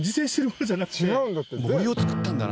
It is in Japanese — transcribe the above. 森を造ったんだな。